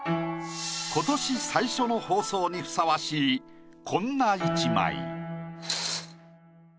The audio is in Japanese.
今年最初の放送にふさわしいこんな１枚。